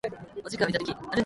お時間をいただき